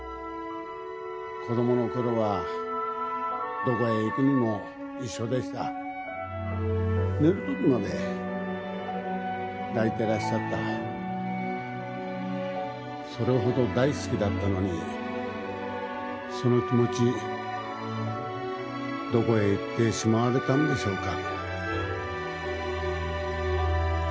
子供の頃はどこへ行くにも一緒でした寝る時まで抱いてらっしゃったそれほど大好きだったのにその気持ちどこへいってしまわれたんでしょうか